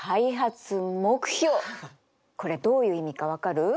これどういう意味か分かる？